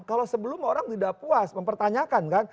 kalau sebelum orang tidak puas mempertanyakan kan